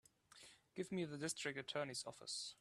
Give me the District Attorney's office.